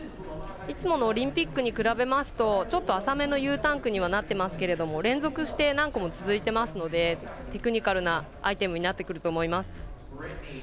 いつものオリンピックに比べますと浅めのＵタンクにはなっていますけど連続して何個も続いていますのでテクニカルなアイテムになってくると思います。